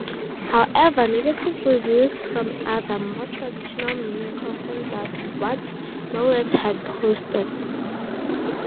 However, negative reviews from other, more traditional media confirmed what Knowles had posted.